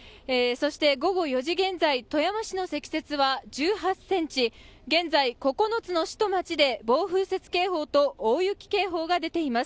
午後４時現在、富山市の積雪は１８ｃｍ、現在、９つの市と町で、暴風雪警報と大雪警報が出ています。